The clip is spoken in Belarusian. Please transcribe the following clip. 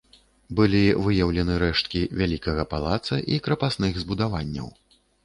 Былі выяўлены рэшткі вялікага палаца і крапасных збудаванняў.